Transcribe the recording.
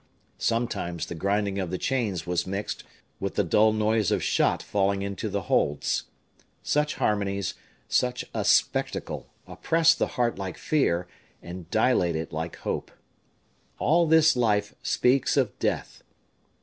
Sometimes the grinding of the chains was mixed with the dull noise of shot falling into the holds. Such harmonies, such a spectacle, oppress the heart like fear, and dilate it like hope. All this life speaks of death.